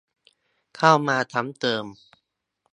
เข้ามาซ้ำเติม